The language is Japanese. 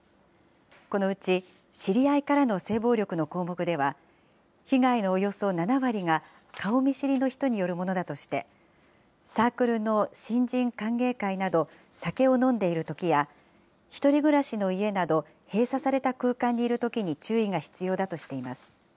このうち知り合いからの性暴力の項目では、被害のおよそ７割が顔見知りの人によるものだとして、サークルの新人歓迎会など酒を飲んでいるときや、１人暮らしの家など、閉鎖された空間にいるときに注意が必要だとしています。